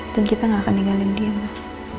dan kita gak akan ninggalin dia mbak